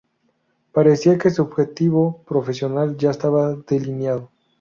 Parecía que su objetivo profesional ya estaba delineado.